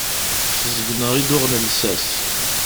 Seg-neɣ i d-uɣen llsas.